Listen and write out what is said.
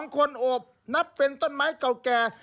คนโอบนับเป็นต้นไม้เก่าแก่